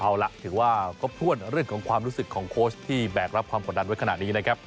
เอาล่ะถือว่าครบถ้วนเรื่องของความรู้สึกของโค้ชที่แบกรับความกดดันไว้ขนาดนี้นะครับ